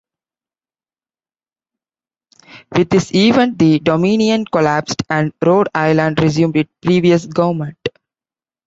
With this event, the dominion collapsed and Rhode Island resumed its previous government.